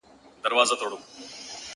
حب د دنيا، سر د خطا.